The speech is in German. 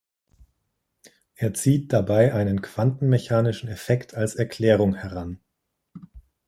Er zieht dabei einen quantenmechanischen Effekt als Erklärung heran.